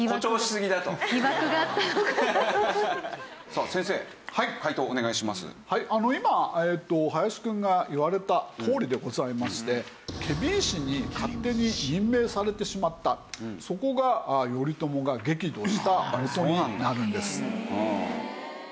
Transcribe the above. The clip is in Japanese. さあ先生今林くんが言われたとおりでございまして検非違使に勝手に任命されてしまったそこが頼朝が激怒した元になるんです。